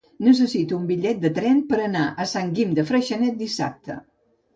Necessito un bitllet de tren per anar a Sant Guim de Freixenet dissabte.